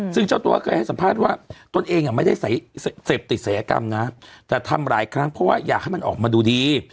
ซึ่งเจ้าตัวก็เคยให้สัมภาษณ์ว่าตนเองไม่ได้เสพติดศัยกรรมนะแต่ทำหลายครั้งเพราะว่าอยากให้มันออกมาดูดี